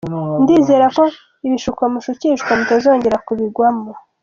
Ndizera ko ibishuko mushukishwa mutazongera kubigwamo.